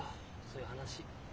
そういう話。